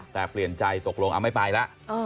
แต่เปลี่ยนใจตกลงเอาไม่ไปแล้ว